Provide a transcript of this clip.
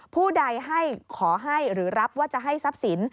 ผู้ใดให้ขอให้หรือรับว่าจะให้ทรัพย์สิน